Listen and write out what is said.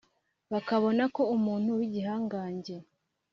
bakabonako umuntu w’igihangange